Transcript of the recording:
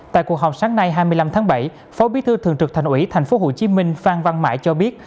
tại cuộc họp sáng nay hai mươi năm tháng bảy phó bí thư thường trực thành ủy tp hcm phan văn mãi cho biết